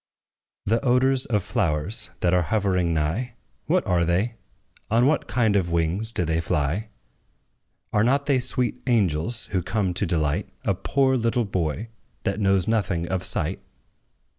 The odors of flowers, that are hovering nigh What are they? on what kind of wings do they fly? Are not they sweet angels, who come to delight A poor little boy, that knows nothing of sight?